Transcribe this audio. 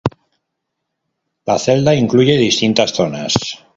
La Ceda incluye distintas zonas.